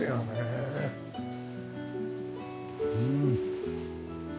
うん。